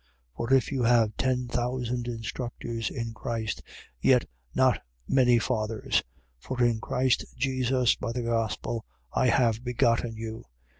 4:15. For if you have ten thousand instructors in Christ, yet not many fathers. For in Christ Jesus, by the gospel, I have begotten you.